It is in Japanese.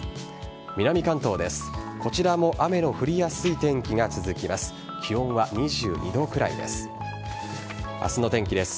南関東です。